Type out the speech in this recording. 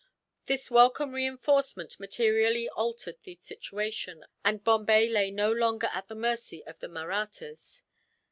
This welcome reinforcement materially altered the situation, and Bombay lay no longer at the mercy of the Mahrattas.